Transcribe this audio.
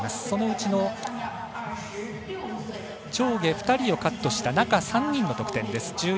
そのうちの上下２人をカットした中３人の得点。